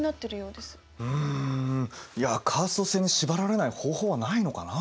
うんいやカースト制に縛られない方法はないのかなあ。